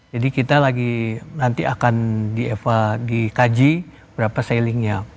jadi kita lagi nanti akan dikaji berapa sellingnya